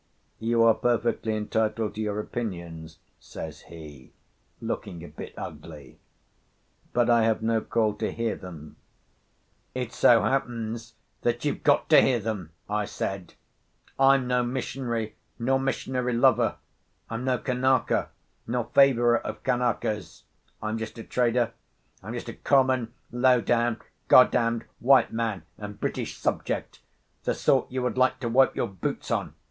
"You are perfectly entitled to your opinions," says he, looking a bit ugly, "but I have no call to hear them." "It so happens that you've got to hear them," I said. "I'm no missionary, nor missionary lover; I'm no Kanaka, nor favourer of Kanakas—I'm just a trader; I'm just a common, low down, God damned white man and British subject, the sort you would like to wipe your boots on.